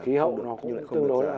ký hậu nó cũng tương đối là